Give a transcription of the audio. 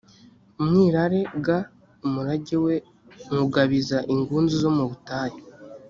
umwirare g umurage we nywugabiza ingunzu zo mu butayu